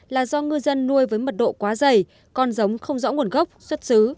là do ngư dân nuôi với mật độ quá dày con giống không rõ nguồn gốc xuất xứ